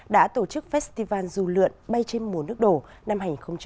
đã tổ chức festival dù lượn bay trên mùa nước đổ năm hai nghìn hai mươi